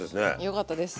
よかったです。